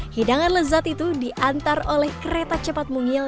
hidangan lezat itu diantar oleh kereta cepat mungil